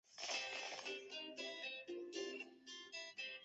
根据牛顿第二定律做曲线运动的物体在其运动轨迹的切向均受力。